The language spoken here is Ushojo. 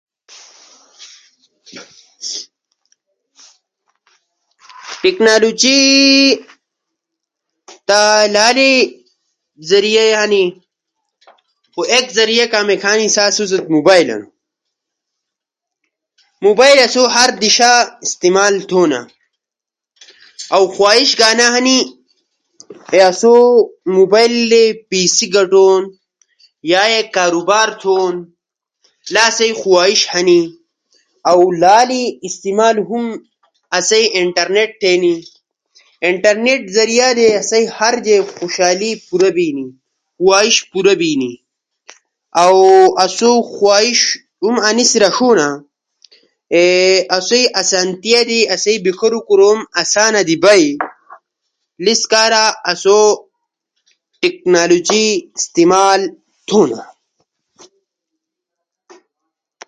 ٹیکنالوجی تا لالے ذریعہ ئی ہنی۔ نو ایک ذریعہ کامیک ہنی سا آسو موبائل ہنو۔ موبائل اسو ہر دیشا استعمال تھونا۔ اؤ خواہش تا انا ہنی کے آسو موبائل در پیسے گٹونو، یا ایک کاروبار تھونو، یا آسئی خواہش ہنی اؤ لالے استعمال ہم آسئی انٹرنیٹ تھینی، انٹرنیٹ ذریعہ در آسو ہر جے خوشألی پورا بینی۔ خواہش پورا بینی۔ اؤ آسو خواہش ہم انیس رݜونا، اے اسئی اسانتیا در آسو بیکھرو کوروم اسانا دی بئی، انیس کارا آسو ٹیکنالوجی استعمال تھونا۔